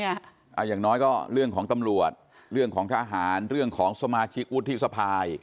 อย่างน้อยก็เรื่องของตำรวจเรื่องของทหารเรื่องของสมาชิกวุฒิสภาย